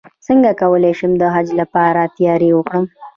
څنګه کولی شم د حج لپاره تیاری وکړم